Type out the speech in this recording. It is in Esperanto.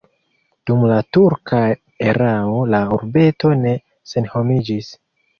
Dum la turka erao la urbeto ne senhomiĝis.